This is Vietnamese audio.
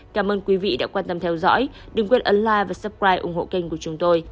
cảm ơn quý vị đã quan tâm theo dõi đừng quên ấn la và suppride ủng hộ kênh của chúng tôi